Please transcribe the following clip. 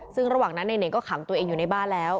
ซึ่งระหว่างนั้นในเน่งก็ขังตัวเองอยู่ในบ้านแล้ว